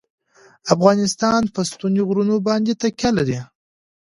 افغانستان په ستوني غرونه باندې تکیه لري.